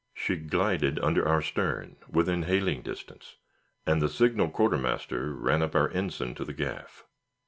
She glided under our stern, within hailing distance, and the signal quarter master ran up our ensign to the gaff.